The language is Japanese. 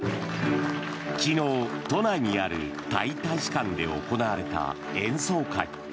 昨日、都内にあるタイ大使館で行われた演奏会。